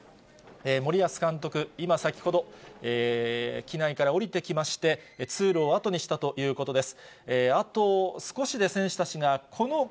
森保監督、今、先ほど機内から降りてきまして、通路をあとにしたということです。